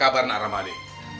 apa kabar nah rahmadi